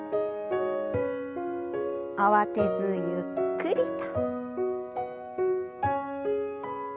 慌てずゆっくりと。